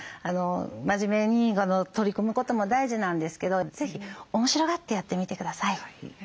真面目に取り組むことも大事なんですけど是非面白がってやってみて下さい。